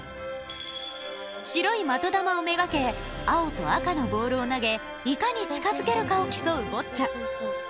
白い的玉を目がけ青と赤のボールを投げいかに近づけるかを競うボッチャ。